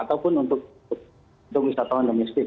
ataupun untuk wisatawan domestik